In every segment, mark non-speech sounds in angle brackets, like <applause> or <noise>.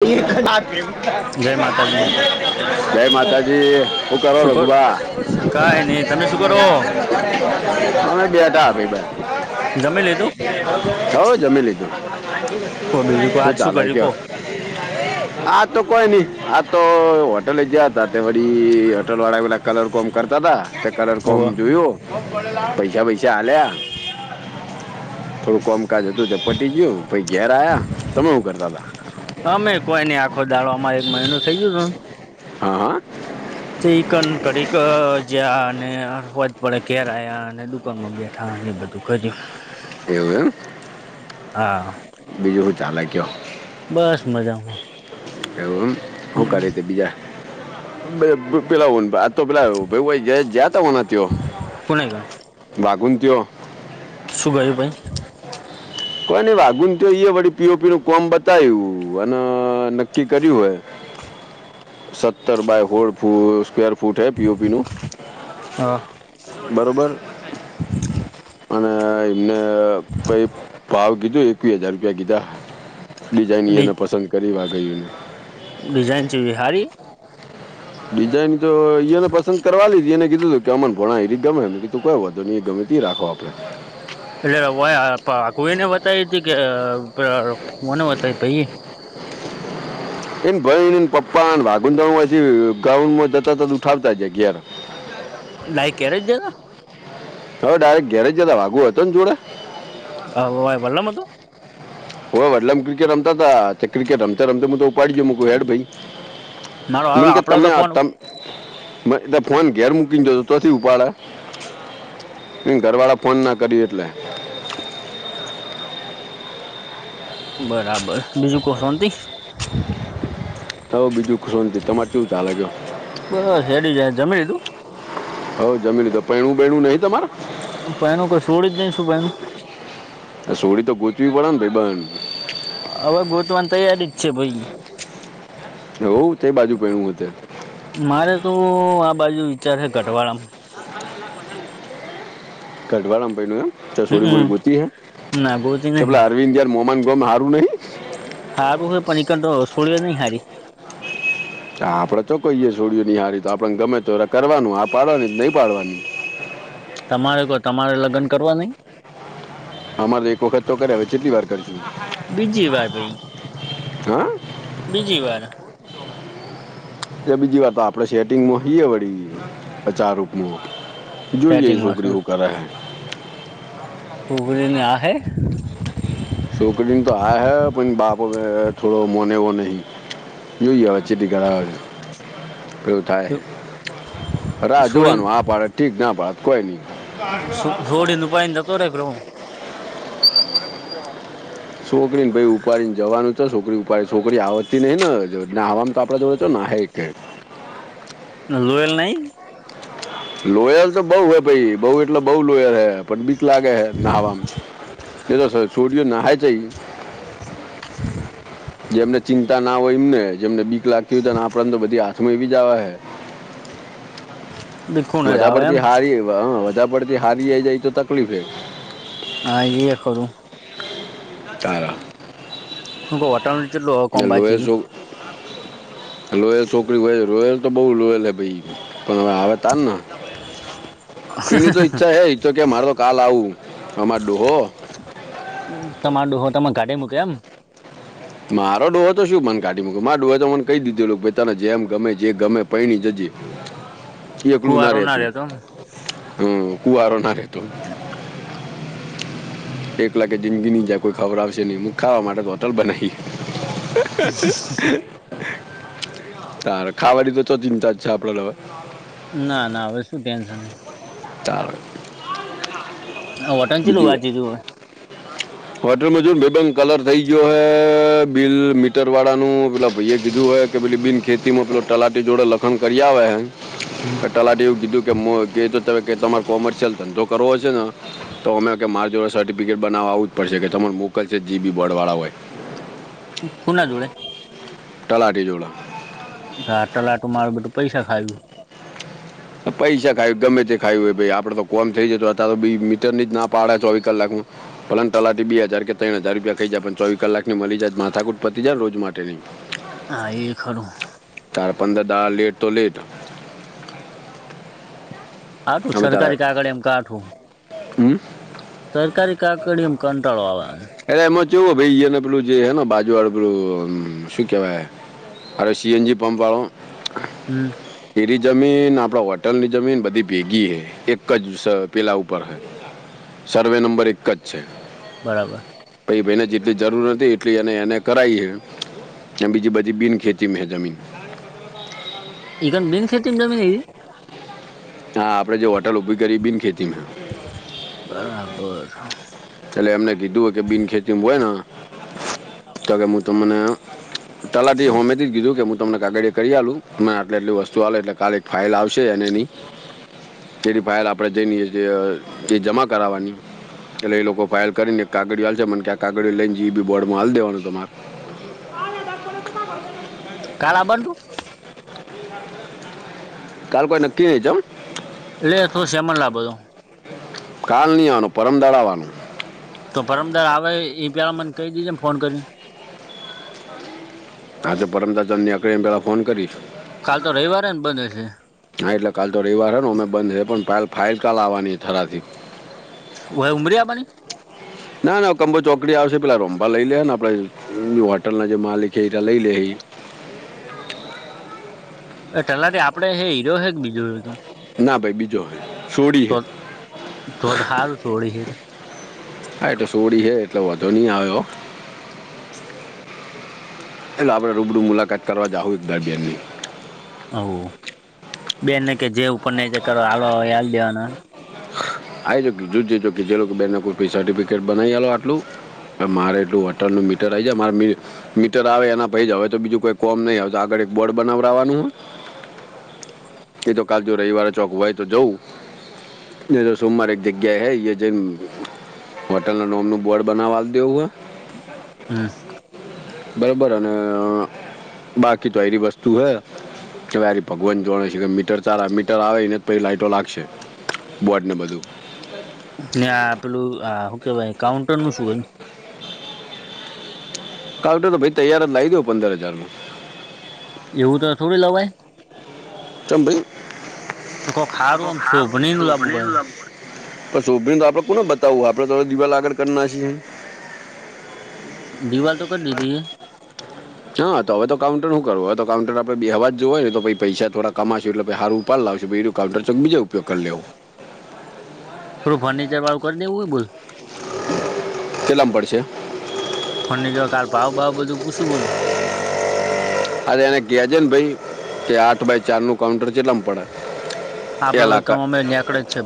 દીર્ઘનાક્યમ <inaudible> જય. માતાજી જય માતાજી, હું કરો રઘુબા? હ કરરો <unintelligible> અમે બેટા આપી બેાઈ. <unintelligible> જમી લીધું? હઉ જમી લીધું, કો બીજું કો શું આજ ચાલે કર્યું કયો? કો આ તો કોઈ નઈ આ તો હોટલ જયા હતા, તે વરી હોટલ વાળા પેલા કલર કોમ કરતા હતા, તે કલર કોમ હોવે જોયું. પૈસા બૈસા આલે. થોડું કામકાજ હતું, તો પટી ગયું, પહી ઘેર આયા તમે શું કરતા હતા? અમે કોઈ નઈ, આખો દાળમાં એક મહિનું થઇ ગયું હતું. હા, હા. સન કડીક જયા અને અરવાજ પડે, ઘેર આવ્યા અને સ્કનમાં બેઠા અને એ બધું કર્યું. એવું એમ. હા. બીજું શું ચાલે કયો? બસ મજામાં. એવું શું કરે હમ તે બીજા? પેલા આ તો પેલા ભ જયાતા હો. તયો કોને ગણ ભાગન તેઓ શું ગયું પણ કોઈ નહી વાગુન તો એઈ પીળું-પીળુ કોમ બતાયું અને નક્કી કર્યું હોય. સત્તર બાય ફોળ સ્ર <unintelligible> ફૂટ એ પી ઓપીનું. હા બરોબર, અને એમને પ વ કીધું એકવી હજાર રૂપિયા કીધા, ડી ડિઝાનને પસંદ કરી વા ગુંને <unintelligible> ડિઝાઇન છે, વિહારી. ડિઝાઇન તો ને પસંદ કરવા લી હતી, એને કીધું તું. મન ભણા એ રીતે ગમે તું કો, એ ગમે તે રાખો આપડે એટલે કોઈને બતાય હતી કે, કોને બતાય ભાઈ. એને ભનને પપ્પા વાગુદાછી ગઉન્ડ માં જતા ત ઉઠાવતા જ ગ્યા. લાઈક કે્યારે જ જ <unintelligible> હવે ડાયરેક ઘેરેજ જતા વાગુ હતો ને જોડે. હ ભાઈ ભોલો મ તોું <unintelligible> હ, વડલેમ ક્રિકેટ રમતા તા ક્રિકેટ રમતા-રમતા તો ઉપાડીક હેડ ભાઈ. મારો હારો બન આપડો તમે તો ફોન ત તો ફોન ઘેર મૂકીને, જ તોથી ઉપાડા. ઘરવાળા ફોન ના કરી એટલે બરાબર, બીજું કો શોંત. હ બીજું કશું નથી, તમારે શું ચાલે? બસ હેડી જ જમી લીધું? હ, જમીન તો પહેણું બેણું નહી તમારે? પાઈું કઈ છોડી જ નઈ શું ભાઈ? સોડી તો ગોચવી પડે ને ભાઈ બન <unintelligible> હવે ગોતવાની તૈયારી જ છે ભય. હોવ તે બાજુમાં તે. મારે તો, આ બાજુ વિચાર છે ગઢવાડામાં. કઢવાડામા પયનું એમ છોડી બોડી હમ ગોતી હે, ના ગોતી નહી પેલા અરવિંદ યાર મોમાન ગમ હારું નહી? હારું, હ પનીિકર તો છોડ્યો નહીં હારી. આપડે તો કોઈએ છોડીઓ નીહારી તો, આપડને ગમે તોર કરવાનું. હા, પાડવાની નહી પાડવાની. તમારે કોઈ તમારે લગન કરવા નહી? અમારે તો એક વખત તો કર્યા હ છેટલી વાર કરજું. બીજી વાર ભાઈ‌. હા બીજી વાર. બીજી આપડે સેટિંગમાં હઈએ વળી, બચાર રૂપમાં. જોઈએ સેટિંગમાં શું છોકરી હો કરાહે. <unintelligible> છોકરીને હા, હૈ પણ, બાપો થોડો મોને વો નહી. જોયે એ વચ્ચેથી કરાવે તો. એવું થાય રા છોડી જોવાનું હા પાડે તો ઠીક ના પાડ કોઈની છો સોડીન <unintelligible> હુ <inaudible> છોકરી ને ભાઈ ઉપાડીને જાવાનું છે, છોકરી ઉપાડી છોકરી આવતી નહીન નેવા તો આપણે જોડે તો નાહે કે? લોયલ નહી? લોયલ તો બો હે ભાઈ, બો એટલે બો લોયલ હૈ પણ બીક લાગે હે નહાવા એ તો છ છોડીઓ નાહે જય <unintelligible> જેમને ચિંતા ના હોય એમને જેમને બીક લાગતી હોયને આપડને તો બધી હાથમાં એવીજ આવહે ભીખું ન જ વધાદ આવે એમ પડથી હારી હ વધાર પડથી હારી જાય તો તકલીફ હે હા ઈએ ખરું ચારા ને <inaudible> <unintelligible> લોયલ છોકરી હોય રોયલ તો બો લોયલ ભય પણ હવે આવે તારના એની તો ઈચ્છા હે તો કે મારે તો કાલ આવું અમાર ડોહો તમાર ડોહો તમે ગાડી મૂકે એમ? મારો ડોહો તો શું મન કાઢી મુકે મા ડોહ તો મને કઈ દીધું તને જેમ ગમે જે ગમે એ પયણી જજે એકલું ના કુવારો રે તું રહેતો એમ હમ કુવારો ના રહેેતુ એક લાખે જિંદગીની જાય કોઈ ખયરાવશે નહી, હું ખાવા માટે હોટલ બનાવી. તાર ખાવાની તો ચિંતા જ છે, આપડા ના ના હવે શું ટેન્શન હે <inaudible> બીજું <inaudible> <unintelligible> હોટલ <unintelligible> કલર થઈ ગયો હે બિલ મીટર વાળા નું પેલા ભાઈએ કીધું હે કે પેલી બિન ખેતીમાં મતલબ ટલાટી જોડે લખન કરી આવહે હમ ટલાટી એવું કીધું કે મોં કે તો તમારે કોમર્શિયલ ધંધો કરવો શે ને? તો અમે કે મારી જોડ સર્ટિફિકેટ બનાવવા આવું જ પડશે કે તમાર મોકલશે જીબી બોડ વાળા હોય. ખુના જોડે? તલાટી જોડે હા ટલાટું મારું બધું પૈસા ખાય ગયું પૈસા ખાય ગમે તે ખાયું હોય ભાઈ આપડે તો કોમ થઈ <unintelligible> તો બય મીટર જ ના પાડે ચોવી કલાકમાં ભલેને તલાટી બે હજાર કે ત્રણ હજાર રૂપિયા ખઈ જાય પણ ચોવી કલાકની મલી જાય માથાકૂટ પતી જાયને રોજ માટેની <inaudible> હા એ ખરુ તાર પંદર દાળા લેટ તો લેટ આઠું સરકારી કાગડીયામાં કાઠું હમ્મ. સરકારી કાગડીયામાં કંટાળો આવે અરે એમાં જોવો ભાઈને પેલું જે હે ને બાજુ વાળું પેલું શું કેવાય અરે સી. એન. જી પંપ વાળો હમ્મ. જમીન આપડા વટરની જમીન બધી ભેગી હૈ. એક જ સ પેલા ઉપર હૈ સર્વે નંબર એક જ બરાબર. ભાઈને જેટલી જરૂર હતી, એટલી એણે એને કરાઈ. બીજી બધી બિન ખેતી મે હૈ જમીન. બીન ખેતીમાં જમીન. હા, આપડે જે હોટલ ઉભી કરીએ, બિન ખેતી માં બરાબર. છેલ્લે એમને કીધું હોય કે, બિન ખેતીમાં હોય ને, તો કે હું તમને. તલાતો હોમેથી કીધું. તમને કાગળ કરી, આલું તમે આટલી આટલી વસ્તુ આવે, એટલે કાલ એક ફાાઈલ આવશે અને એની તેની ફાઇલ આપણેે જઈને, એ જ જમા કરાવવાની. એટલે એ લોકો ફાઇલ કરીને, કાગડીઓ હાલશે, મને કે આ કાગળડીયુ લઈને, જીબી બોર્ડમાં હાલ દેવાનું તમારે. કાલા <unintelligible> કાલ કોઈ નક્કી નઈ. એટલે થોડો સેમન લાવવો તો કાલ નઈ આવાનું, પરમ દાડ આવવાનો. તો પરમ દડ આવે, એ પહેલાં મને કહી દેજે, એમ ફોન કરી. હા, તો એને પહેલાં ફોન કરીશ. કાલ તો રવિવાર બંધ. હા, એટલે કાલ તો રવિવાર હને, અમે બંધ રેય પણ ફાઇલ કાલ આવવાની થરાથી <inaudible> ના, ના કંબો ચોકડી આવશે, પેલા રમવા લઈ લેને આપેડે હોટલના જે માલિક છે, જ લઈ લે. એ તલાટી આપડે હ હીરો. ના, ભાઈ બીજો હો તો <unintelligible> તો હારુ. હા, એ તો સોડી હે, એટલે વાધો ની આવે હો. હાલો, આપણે રૂબરૂ મુલાકાત કરવા જાઉં એક દાડ. આવો બેનને કે જે <unintelligible> આય જે બીજું જે કે, જે લોકો સર્ટિફિકેટ બનાવી આલો આટલું મારે તો વટણ નું મીટર આઇ જાય. મીટર આવે, એના પાઈ જ તો બીજું કોઈ કોમ નહી આવે, તો આગળ એક બોર્ડ બનાવડવાનું. એતો કાલ જો રવિવારે ચોક હોય તો જવું. સોમવાર એક જગ્યા હૈ, હોટલ ન નોમનું બોર્ડ બનાવા હાલ દવ હમ. બરોબર, અને બાકી તો આયરી વસ્તુ હે. ભગવાન જોણેે છે, મીટર સારા મીટર આવેને, લાઈટો લાગશે. બોડી ને બધું. ને આ પેલું શું કહેવાય, કાઉન્ટરનું શું કાઉન્ટર તો ભાઈ, તૈયાર જ લાવી દઉં, પંદર હજારમાં. એવું તો થોડું લવાય. ભાઈ, ખરું છે ભાઈ. તો કોક હારું આમ શોભની નું લાવવું પડે પછી શો તો આપણે કોને બતાવવું? આપણે તો દિવાલ આગળ કરવાના છીએ. દિવાલ તો કરી દીધી. હા, તો હવે કાઉન્ટર શું કરવું? કાઉન્ટર આપણે બે હવા જ જો હો ને, તો પૈસા થોડા કમાશું એટલે સારું ઉપાડ લાવશું. કાઉન્ટર તો બીજે ઉપયોગ કરી લેવો. થોડું ફર્નિચરવાળું કરી દેવું હોય બોલ? <unintelligible> ફોનના ભાવ-બાવ બધું પૂછું, બોલ? અરે, એને કયા છે ને, ભાઈ કે આઠ બાય ચારનું કાઉન્ટર જેટલામાં પડે. આપડો વનો અમે જ છે.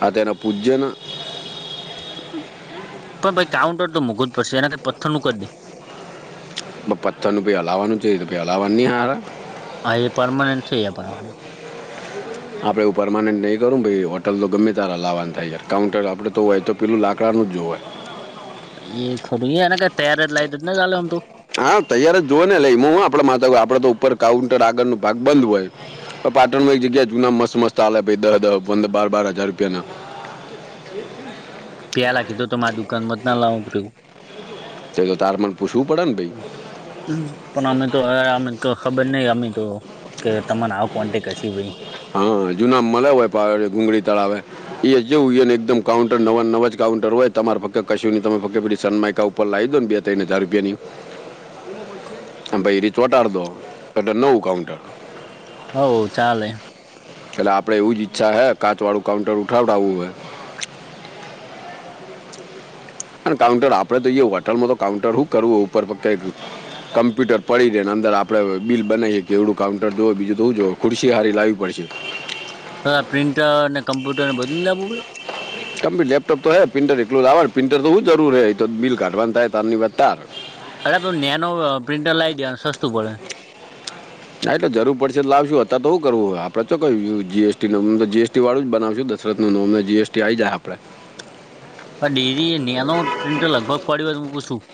આ તેનું પૂજન. પણ ભાઈ, કાઉન્ટર તો મોંઘું જ પડશે. એના કંઈ પથ્થરનું કરી દે. પથ્થરનું પણ બનાવવાનું છે ને? પથ્થરવાળાનું જ સારું રહેશે. હા, એ પરમનેન્ટ છે આપણી માટે. આપણે એવું પરમનેન્ટ નહીં કરીએ ભાઈ, હોટલ તો ગમે ત્યારે લાવવાનું થાય, કાઉન્ટર આપણું હોય તો, પેલું લાકડાનું જ જોવું હોય. એને તૈયાર લાવી દે ને, ચાલ, આમ તો. હા, તૈયાર જ જો ને લઈ આવું, આપણે તો ઉપર કાઉન્ટરનો આગળનો ભાગ બંધ હોય. પાટણમાં એક જગ્યાએ જૂના મસ્ત મસ્તવાળા પડે છે, બાર-પંદર હજાર રૂપિયાના. <unintelligible> પ્યાલા કીધો તો, મારે દુકાનમાં જ ના લાવવાનું. તો તારે મને પૂછવું પડે, ભાઈ. પણ અમને તો ખબર નહીં, અમને તો કહેવું કે, તમને આવો કોન્ટેક્ટ છે ભાઈ. હા, જૂના મળ્યા હોય તો, ગુલાબી તળાવ પાસે. એ જવું, એકદમ નવા-નવા કાઉન્ટર હોય, તમારે ફક્ત કશુંની તમે ફક્ત પીસન મયકા ઉપર. ઉપર લાવી દો ને, બે-ત્રણ હજાર રૂપિયાની. ભાઈ, એ ચોટાડી દો એટલે નવું કાઉન્ટર તૈયાર. હા, ચાલશે. એટલે આપણે એવું જ ઈચ્છીએ છીએ કે, કાચવાળું કાઉન્ટર ઉઠાવડાવવું હોય. કાઉન્ટર આપણું તો હોય, હોટલમાં તો કાઉન્ટર શું કરવું ઉપર? કમ્પ્યુટર પડે ને, અંદર આપણે બિલ બનાવીએ, એટલે એવું મોટું કાઉન્ટર જોઈએ કે, બીજું તો હું જોઉં. ખુરશી સારી લાવવી પડશે. હા, પ્રિન્ટર અને કમ્પ્યુટર પણ બદલી લેવા પડશે. કમ્પ્યુટર કે લેપટોપ તો ચાલે, પણ પ્રિન્ટર તો જરૂર લેવું પડે, એમાં બિલ બનાવવાનું થાય, તારું ને? અરે, નાનું પ્રિન્ટર લાવી દે, સસ્તું પડે. હા, એટલે જરૂર પડશે તો લાવીશું, અને જો આપણે જીએસટી નું કરવું હોય, તો જીએસટી વાળું જ બનાવીશું. કસરતનું નામ નહીં, જીએસટી આવી જાય આપણે. પણ ડેરીનું નાનું પ્રિન્ટર લગભગ કેટલામાં પડે, એ હું પૂછી લઉં.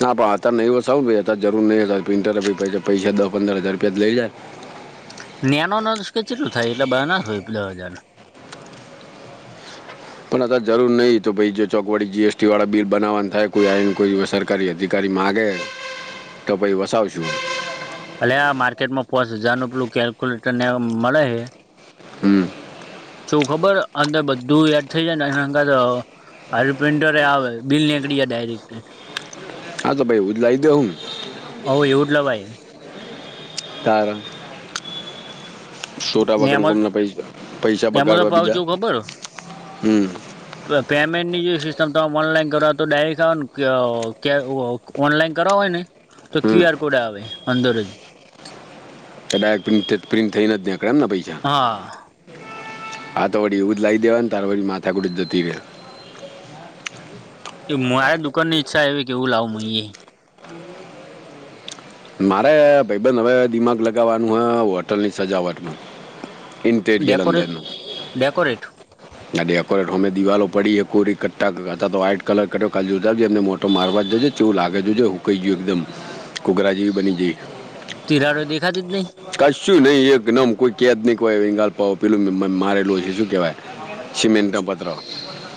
ના, પણ અત્યારે નહીં, જો જરૂર ન હોય તો પ્રિન્ટર ન લેવું. એમાં દસ-પંદર હજાર રૂપિયા ખર્ચાઈ જાય. નાનું હોય તો કેટલામાં થાય? બે હજાર જેટલામાં હોય. પણ અત્યારે જરૂર નથી, જો ચોક્કસ જીએસટી વાળું બિલ બનાવવાનું થાય, તો કોઈ સારું પ્રિન્ટર લઈશું. જો અધિકારી માંગે તો, પછી વસાવીશું. ભલે, આ માર્કેટમાં પાંચ હજારનું પેલું કેલ્ક્યુલેટર પણ મળે છે. હમ. જો, અંદર બધું એડ થઈ જાય ને. આવે બિલ નીકળે ડાયરેક્ટ. હા, તો ભાઈ, હું જ લઈ દે હુંમ. ઓ એવું. તારણ છોટા ને વગન એમાં કોમના પૈ પૈસા એમાં તો બગાડવા પાવ બીજા શું ખબર હમ. પેમેન્ટની જે સિસ્ટમ તમામે ઓનલાઈન કરો તો, ડાયરેક્ટ આવો ને કે. ઓનલાઈન કરવા ને, તો હમ ક્યુ આર આવે અંદર જ. ડાયક પ્રિન્ટ થઈ ન નથી, જ્યાં કેમને પૈસા હા. હા, તો વળી એવું જ લાવી દેવા ને, તારે વળ માથાકુડ જ જતીર્યા. એ મારા દુકાન ની ઈચ્છા એ કેવું લાવું મ એ મારે ભાઈ-બેન હવે દિમાગ લગાવવાનું, હ હોટલની સજાવટમાં. ઇન્ટેરિયલ ડેકોરેટ અંદરનું. ડેકોરેટ. ડેકોરેટમે પડી કલરા તો મારવા જજે તેવું લાગે જ છે, હું કઈ ગયું એકદમ કૂઘરા જેવી બની જાય. તરા રો દેા જ કચ શું નહી, એક નમ કોઈ કેદ નહી કોય, એ ગપાવ પેલું મારેલું છે, શું કેહેવાય? સિમેન્ટ ન પત્ર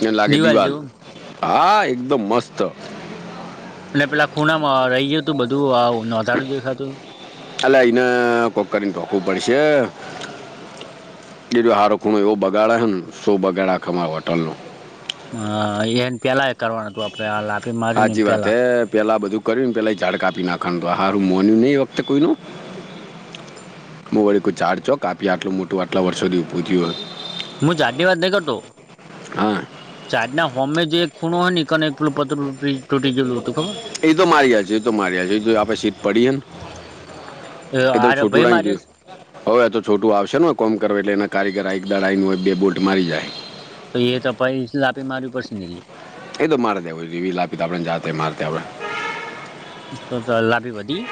એને લાગે દિવાલ હા એકદમ મસ્ત. અને પેલા ખૂણામાં રહી ગયું તું, બધું નારું દેખાતું. અલે અઈને કોકર ને, ઢોંકવું પડશે. બીજ હારો ખૂણો એવો બગાડ હ ને, શો બગાડ ખ હોટલ નો. હ, એને પેલા એ કરવાનું હતું, આપડે હાલ આપે મારીને પેલાં. પેલા બધું કર્યું ને, પેલા ડ કાપી નાખ, તો હારું મોન્યું નને, એ વખતે કોઈનું. હું વળી કોઈ ચાડ ચો કાપી, આટલું મોટું આટલા વર્ષો થું હો. હું જાદીવાદ નઈ કરતો. હોય હા ચાજ ના હોમે જે એક ખૂણો હોય કને, એક પેલો પતર તૂટી ગયલું હતું ખબર. એતો માર્યા છે, એતો માર્યા છે, એ આપડે સીટ પડીએ ને. ખબર એ તો આરે ભાઈ છોટુંડા માર્યો કયું. હવે આ તો છોટું આવશે ને, કોમ કરવ, એટલે એના કારીગર એક દડાઈ નું હોય, બે બોલ્ટ મારી જાય. તો એ તપાઈ આપે માર્યું પડશે ને એલે. તો મારે લી આપ જા માર તો લાભે ભધ